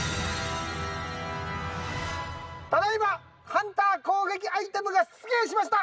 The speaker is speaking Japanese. ただ今ハンター攻撃アイテムが出現しました。